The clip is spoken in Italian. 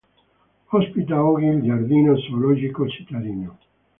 Ospita oggi il giardino zoologico cittadino.